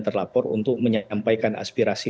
terlapor untuk menyampaikan aspirasi